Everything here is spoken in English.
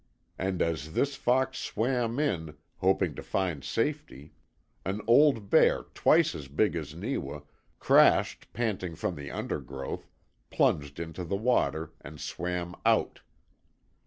And as this fox swam in, hoping to find safety, an old bear twice as big as Neewa, crashed panting from the undergrowth, plunged into the water, and swam OUT.